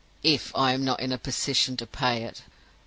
If I am not in a position to pay it!